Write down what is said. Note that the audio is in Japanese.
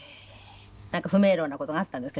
なんか不明朗な事があったんですか？